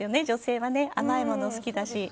女性はね、甘いもの好きだし。